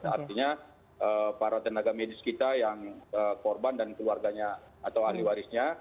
artinya para tenaga medis kita yang korban dan keluarganya atau ahli warisnya